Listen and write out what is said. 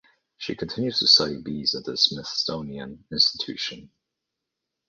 She continues to study bees at the Smithsonian Institution.